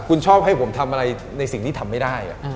คุณชอบให้ผมทำอะไรในสิ่งที่ทำไม่ได้